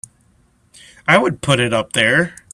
I would put it up there!